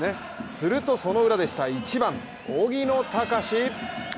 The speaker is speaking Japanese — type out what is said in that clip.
するとそのウラでした、１番・荻野貴司。